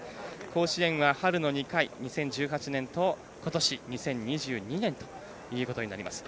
甲子園出場は２０１８年とことし２０２２年ということになりました。